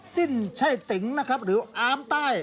สิ้นใช่ติ๋งนะครับหรืออามใต้